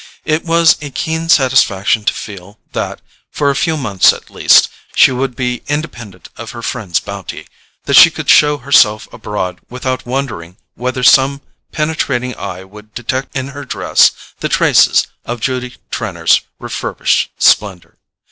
It was a keen satisfaction to feel that, for a few months at least, she would be independent of her friends' bounty, that she could show herself abroad without wondering whether some penetrating eye would detect in her dress the traces of Judy Trenor's refurbished splendour.